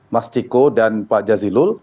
mas ciko dan pak jazilul